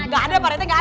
gak ada pak rete gak ada